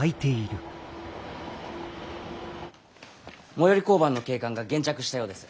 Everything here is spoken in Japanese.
最寄り交番の警官が現着したようです。